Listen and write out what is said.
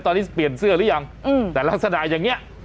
ตอนนี้เปลี่ยนเสื้อหรือยัง